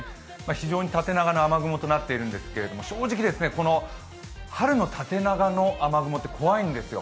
非常に縦長の雨雲となっているんですけれども、正直、この春の縦長の雨雲って恐いんですよ。